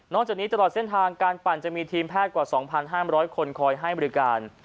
จากนี้ตลอดเส้นทางการปั่นจะมีทีมแพทย์กว่า๒๕๐๐คนคอยให้บริการ